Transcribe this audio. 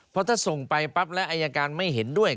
เพราะถ้าส่งไปปั๊บแล้วอายการไม่เห็นด้วย